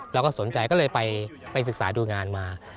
เราก็สนใจก็เลยไปศึกษาดูงานมา